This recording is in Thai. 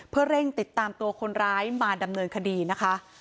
เพื่อเร่งติดตามตัวคนร้ายมาดำเนินคดีนะคะ